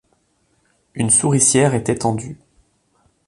Une souricière était tendue.